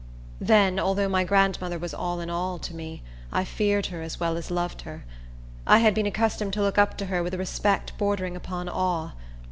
Then, although my grandmother was all in all to me, I feared her as well as loved her. I had been accustomed to look up to her with a respect bordering upon awe.